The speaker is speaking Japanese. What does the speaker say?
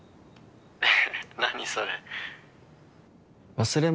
何それ。